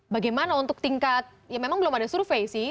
bagaimana untuk tingkat ya memang belum ada survei sih